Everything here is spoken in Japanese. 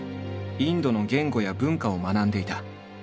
インドの言語や文化を学んでいた。